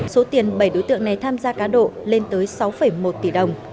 số tiền bảy đối tượng này tham gia cá độ lên tới sáu một tỷ đồng